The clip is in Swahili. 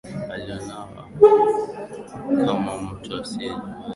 Alionwa kama mtu asiyejiweza kwa kuwa hakuwa na mali wala nguvu